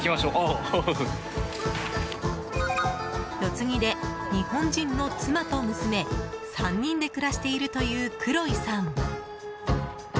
四つ木で日本人の妻と娘３人で暮らしているというクロイさん。